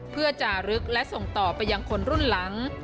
เพื่อจารึกและส่งต่อไปยังคนรุ่นหลัง